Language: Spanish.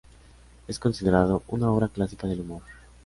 Es considerado una obra clásica del humor.